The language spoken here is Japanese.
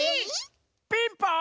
ピンポン！